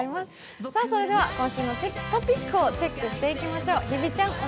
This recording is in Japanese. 今週のトピックをチェックしていきましょう。